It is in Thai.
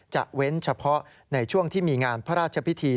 เว้นเฉพาะในช่วงที่มีงานพระราชพิธี